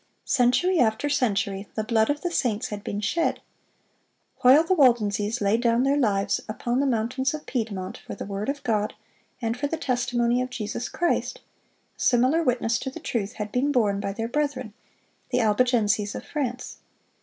Century after century the blood of the saints had been shed. While the Waldenses laid down their lives upon the mountains of Piedmont "for the word of God, and for the testimony of Jesus Christ," similar witness to the truth had been borne by their brethren, the Albigenses of France.